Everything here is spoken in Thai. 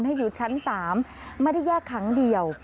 ให้อยู่ชั้น๓ไม่ได้แยกขังเดียว